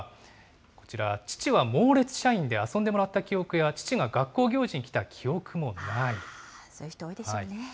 こちら、父はモーレツ社員で遊んでもらった記憶や、父が学校行事そういう人、多いでしょうね。